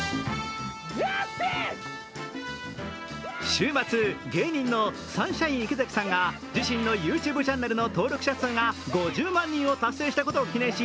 週末、芸人のサンシャイン池崎さんが自身のＹｏｕＴｕｂｅチャンネルの登録者数が５０万人を達成したことを記念し